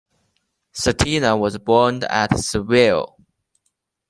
Cetina was born at Seville.